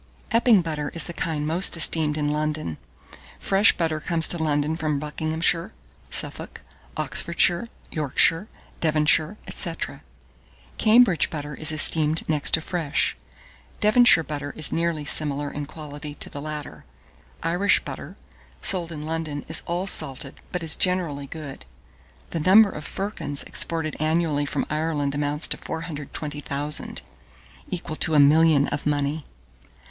1618. Epping butter is the kind most esteemed in London. Fresh butter comes to London from Buckinghamshire, Suffolk, Oxfordshire, Yorkshire, Devonshire, &c. Cambridge butter is esteemed next to fresh; Devonshire butter is nearly similar in quality to the latter; Irish butter sold in London is all salted, but is generally good. The number of firkins exported annually from Ireland amounts to 420,000, equal to a million of money.